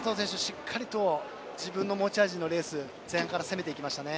しっかりと自分の持ち味のレース前半から攻めていきましたね。